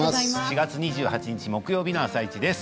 ４月２８日、木曜日の「あさイチ」です。